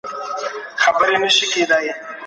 مشرانو به د کانونو د استخراج ملي تګلاره جوړه کړي وي.